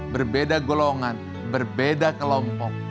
berbeda golongan berbeda kelompok